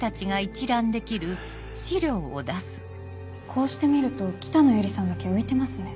こうして見ると北野由里さんだけ浮いてますね。